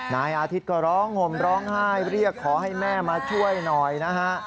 นายอาทิตย์ก็ร้องห่มร้องไห้เรียกขอให้แม่มาช่วยหน่อยนะฮะ